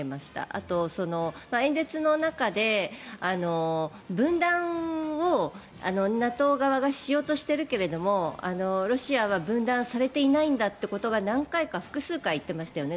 あと、演説の中で分断をＮＡＴＯ側がしようとしているけどロシアは分断されていないんだということを何回か複数回言っていましたよね。